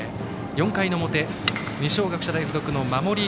４回の表、二松学舎大付属の守り。